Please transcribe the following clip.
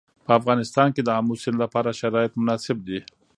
په افغانستان کې د آمو سیند لپاره شرایط مناسب دي.